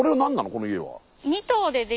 この家は。